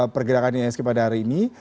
pergerakan ihsg pada hari ini